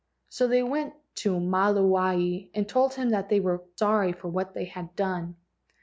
So they went to Maluae and told him they were sorry for what they had done.